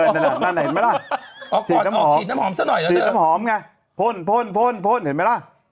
นั่นเห็นไหมล่ะออกฉีดน้ำหอมฉีดน้ำหอมค่ะพ่นพ่นพ่นพ่นเห็นไหมล่ะ